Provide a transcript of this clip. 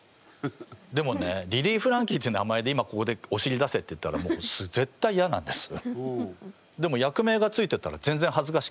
でもねリリー・フランキーって名前で今ここでおしり出せっていったらもうぜったいいやなんです。